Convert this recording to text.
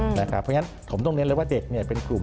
เพราะฉะนั้นผมต้องเน้นเลยว่าเด็กเป็นกลุ่ม